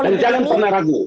dan jangan pernah ragu